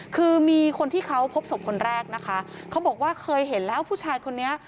คือมีคนที่เขาพบศพคนแรกนะคะเขาบอกว่าเคยเห็นแล้วผู้ชายคนนี้